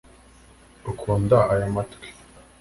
Ukunda aya matwi